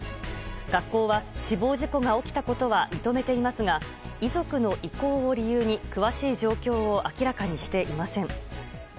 学校は死亡事故が起きたことは認めていますが遺族の意向を理由に詳しい状況を明らかにしていません。